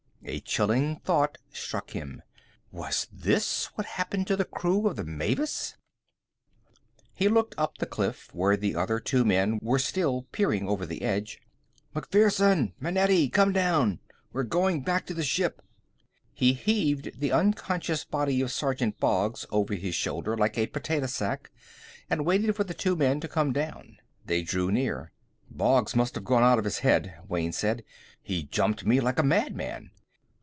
A chilling thought struck him: was this what happened to the crew of the Mavis? He looked up the cliff, where the other two men were still peering over the edge. "MacPherson! Manetti! Come down! We're going back to the ship!" He heaved the unconscious body of Sergeant Boggs over his shoulder like a potato sack, and waited for the two men to come down. They drew near. "Boggs must have gone out of his head," Wayne said. "He jumped me like a madman."